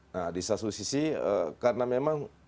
nah di satu sisi karena memang